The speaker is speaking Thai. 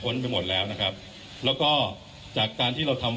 คุณผู้ชมไปฟังผู้ว่ารัฐกาลจังหวัดเชียงรายแถลงตอนนี้ค่ะ